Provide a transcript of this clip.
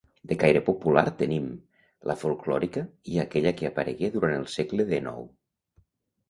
De caire popular tenim: la folklòrica i aquella que aparegué durant el segle dènou.